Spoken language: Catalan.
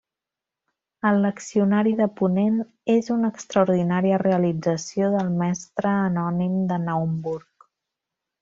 El leccionari de ponent és una extraordinària realització del mestre anònim de Naumburg.